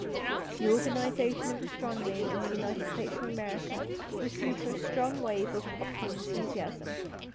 The organisation of astronomy in the United States of America was due to a strong wave of popular enthusiasm.